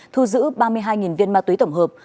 thu giữ ba mươi hai viên ma túy tổng hợp